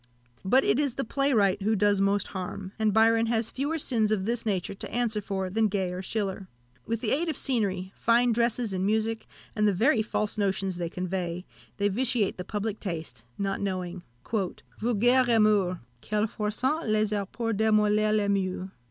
But it is the playwright who does most harm; and Byron has fewer sins of this nature to answer for than Gay or Schiller. With the aid of scenery, fine dresses and music, and the very false notions they convey, they vitiate the public taste, not knowing, "Vulgaires rimeurs! Quelle force ont les arts pour demolir les moeurs."